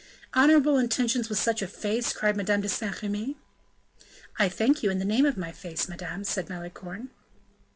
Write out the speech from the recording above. "Honorable intentions with such a face!" cried Madame de Saint Remy. "I thank you in the name of my face, madame," said Malicorne.